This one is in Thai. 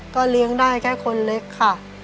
ก็เลี้ยงได้แค่คนเล็กค่ะ